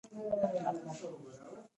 نصيحتونه او زړه خوړنه یې احساسوم.